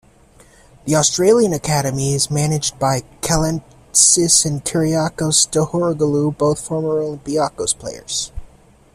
The Australian academy is managed by Kalantzis and Kyriakos Tohouroglou, both former Olympiacos players.